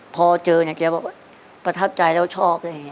พอเจอเนี่ยเกลียดว่าประทับใจแล้วชอบ